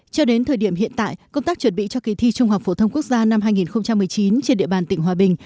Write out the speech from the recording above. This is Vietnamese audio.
cho đến thời điểm hiện tại công tác chuẩn bị cho kỳ thi trung học phổ thông quốc gia năm hai nghìn một mươi chín trên địa bàn tỉnh hòa bình